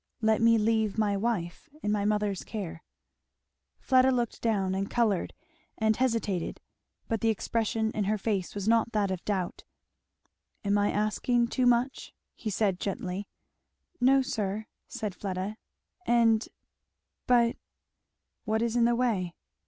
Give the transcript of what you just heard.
Let me leave my wife in my mother's care." Fleda looked down, and coloured, and hesitated; but the expression in her face was not that of doubt. "Am I asking too much?" he said gently. "No sir," said Fleda, "and but " "What is in the way?"